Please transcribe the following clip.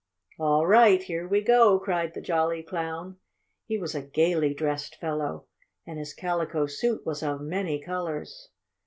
"All right! Here we go!" cried the jolly Clown. He was a gaily dressed fellow, and his calico suit was of many colors.